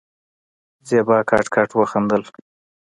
زېبا کټ کټ وخندل.